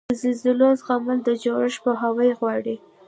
د زلزلو زغمل د جوړښت پوهاوی غواړي.